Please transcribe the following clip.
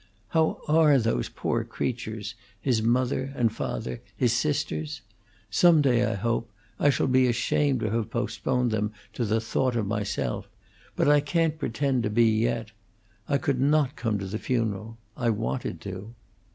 How are those poor creatures his mother and father, his sisters? Some day, I hope, I shall be ashamed to have postponed them to the thought of myself; but I can't pretend to be yet. I could not come to the funeral; I wanted to."